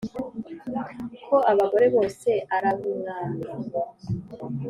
ko abagore bose arabumwami"